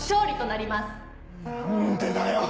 何でだよ！